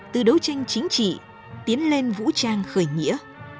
từ đấu tranh chính trị tiến lên vũ trang khởi nghĩa